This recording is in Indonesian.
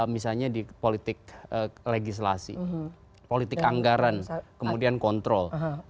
misalnya di politik legislasi politik anggaran kemudian kontrol